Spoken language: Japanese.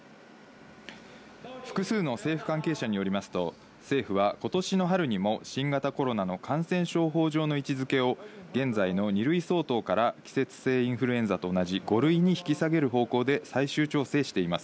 複数の政府関係者によりますと、政府は今年の春にも新型コロナの感染症法上の位置付けを現在の２類相当から季節性インフルエンザと同じ５類に引き下げる方向で最終調整しています。